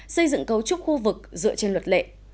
xây dựng cấu trúc khu vực dựa trên luật lệ